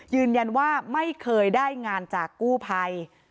ยืนยันว่าไม่เคยได้งานจากกู้ภัย